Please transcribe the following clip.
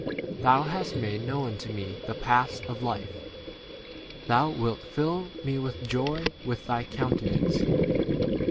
Thou hast made known to me [the] paths of life, thou wilt fill me with joy with thy 29 countenance.